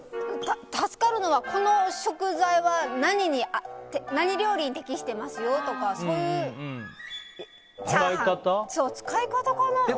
助かるのは、この食材は何料理に適してますよとかそういう使い方かな。